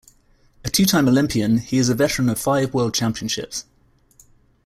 A two-time Olympian, he is a veteran of five world championships.